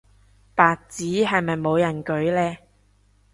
白紙係咪冇人舉嘞